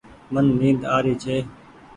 من نيد آري ڇي ۔